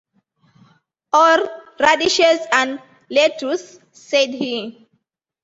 “Or radishes and lettuce,” said he.